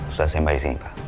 sudah sampai disini pak